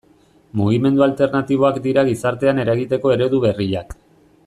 Mugimendu alternatiboak dira gizartean eragiteko eredu berriak.